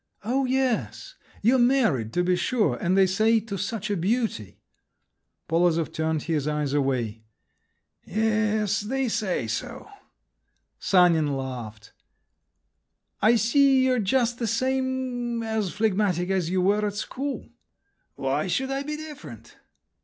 "Oh, yes! You're married, to be sure, and they say, to such a beauty!" Polozov turned his eyes away. "Yes, they say so." Sanin laughed. "I see you're just the same … as phlegmatic as you were at school." "Why should I be different?"